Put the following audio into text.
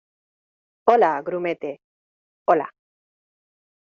hola, grumete. hola .